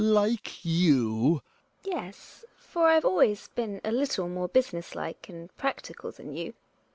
Hjalmar. Like you Gina. Yes, for I've always been a little more business like and practical than you.